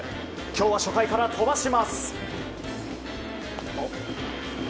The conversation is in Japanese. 今日は初回から飛ばします。